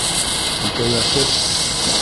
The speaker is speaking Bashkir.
Икәүләшеп?